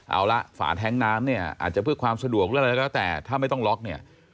เอาละฝาแท้งน้ำเนี่ยอาจจะเพื่อความสะดวกเรื่องอะไรก็แล้วแต่ถ้าไม่ต้องล็อกเนี่ย